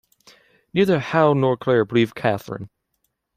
Neither Hal nor Claire believe Catherine.